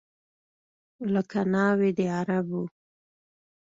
لکه ناوې د عربو